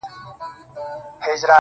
گراني چي د ټول كلي ملكه سې.